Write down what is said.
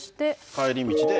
帰り道で。